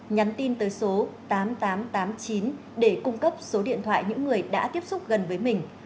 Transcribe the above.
nhắn tin tới số tám nghìn tám trăm tám mươi chín để cung cấp số điện thoại những người đã tiếp xúc gần với mình